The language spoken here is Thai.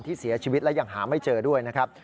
ที่เสียชีวิตและยังหาไม่เจอด้วยนะครับ